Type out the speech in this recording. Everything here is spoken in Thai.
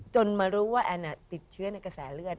มารู้ว่าแอนติดเชื้อในกระแสเลือด